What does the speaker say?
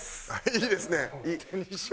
いいですね。